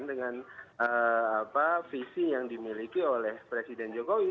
dengan visi yang dimiliki oleh presiden jokowi